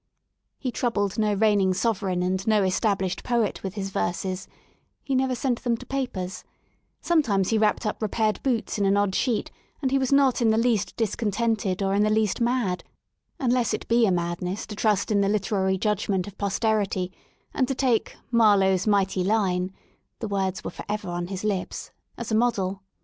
He troubled no reign ing sovereign and no established poet with his verses; he never sent them to papers; sometimes he wrapped up repaired boots in an odd sheet, and he was not in the least discontented or in the least mad, unless it be a madness to trust in the literary judgement of Pos terity and to take Marlowe's mighty line " (the words were for ever on his lips) as a model.